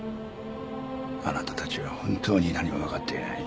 あなたたちは本当に何も分かっていない。